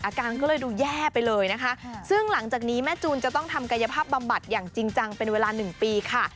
อาการก็เลยดูแย่ไปเลยนะคะซึ่งหลังจากนี้แม่จูนจะต้องทำกายภาพบำบัดอย่างจริงจังเป็นเวลา๑ปีค่ะ